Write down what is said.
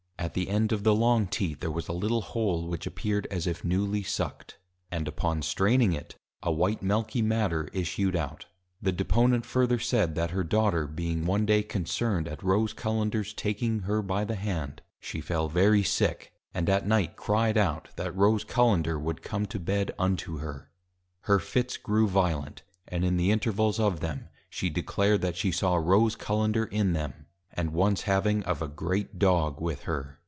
At the end of the long Teat, there was a little Hole, which appeared, as if newly Sucked; and upon straining it, a white Milky matter issued out. The Deponent further said, That her Daughter being one Day concerned at Rose Cullenders taking her by the Hand, she fell very sick, and at Night cry'd out, That +Rose Cullender+ would come to Bed unto her. Her Fits grew violent, and in the Intervals of them, she declared, _That she saw +Rose Cullender+ in them, and once having of a great Dog with her.